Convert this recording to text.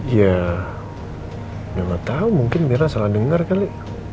ya mama tau mungkin rena salah dengar kali